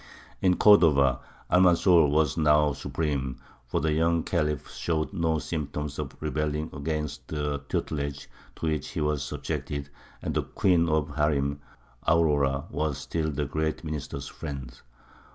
In Cordova Almanzor was now supreme, for the young Khalif showed no symptoms of rebelling against the tutelage to which he was subjected, and the queen of the harīm, Aurora, was still the great minister's friend.